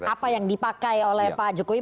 apa yang dipakai oleh pak jokowi